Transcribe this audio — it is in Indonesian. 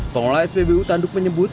pengolah spbu tanduk menyebut